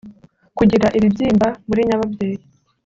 kugira ibibyimba muri nyababyeyi